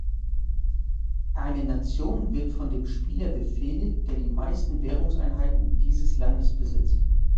Eine Nation wird von dem Spieler befehligt, der die meisten Währungseinheiten dieses Landes besitzt.